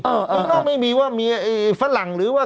เมืองนอกไม่มีว่ามีฝรั่งหรือว่า